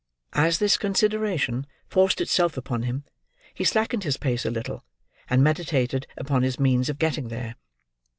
As this consideration forced itself upon him, he slackened his pace a little, and meditated upon his means of getting there.